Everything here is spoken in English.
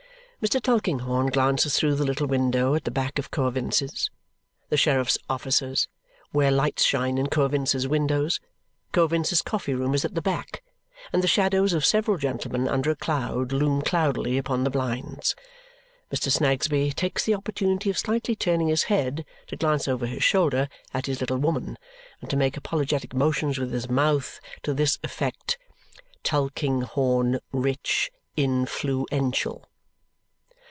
Mr. Tulkinghorn glances through the little window at the back of Coavinses', the sheriff's officer's, where lights shine in Coavinses' windows. Coavinses' coffee room is at the back, and the shadows of several gentlemen under a cloud loom cloudily upon the blinds. Mr. Snagsby takes the opportunity of slightly turning his head to glance over his shoulder at his little woman and to make apologetic motions with his mouth to this effect: "Tul king horn rich in flu en tial!"